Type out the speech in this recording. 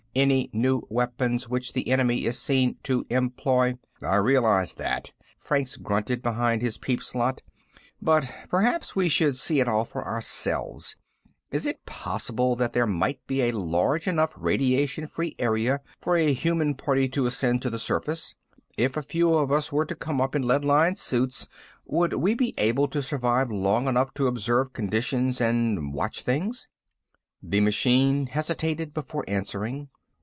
Any new weapons which the enemy is seen to employ " "I realize that," Franks grunted behind his peep slot. "But perhaps we should see it all for ourselves. Is it possible that there might be a large enough radiation free area for a human party to ascend to the surface? If a few of us were to come up in lead lined suits, would we be able to survive long enough to observe conditions and watch things?" The machine hesitated before answering.